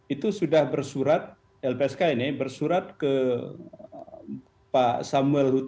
itu sudah bersurat lpsk ini bersurat ke pak samuel huta barat